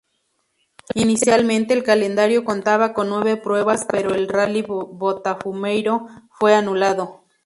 Inicialmente el calendario contaba con nueve pruebas pero el Rally Botafumeiro fue anulado.